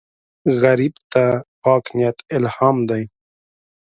غریب ته پاک نیت الهام دی